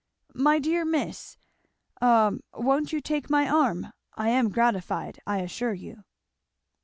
My dear Miss a won't you take my arm? I am gratified, I assure you."